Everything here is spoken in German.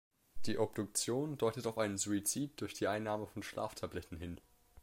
Die Obduktion deutet auf einen Suizid durch die Einnahme von Schlaftabletten hin.